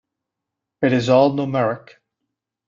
It is all numeric.